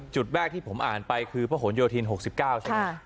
จุดแรกที่ผมอ่านไปคือพระหลโยธิน๖๙ใช่ไหม